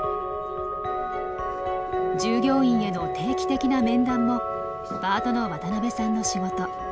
従業員への定期的な面談もパートの渡邊さんの仕事。